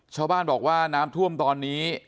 ชาวบ้านบอกว่าน้ำท่วมตอนนี้